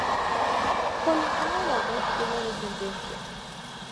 Con ninguna de las dos tuvo descendencia.